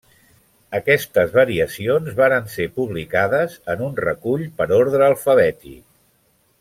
Aquestes variacions varen ser publicades en un recull, per ordre alfabètic.